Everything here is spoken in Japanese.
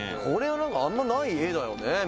「これはなんかあんまない画だよね」